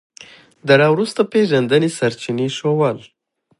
د راوروسته پېژندنې سرچینې شول